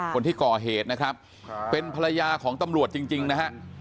คนที่ก่อเหตุนะครับเป็นภรรยาของตำรวจจริงนะฮะ